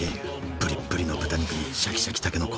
ぶりっぶりの豚肉にシャキシャキたけのこ。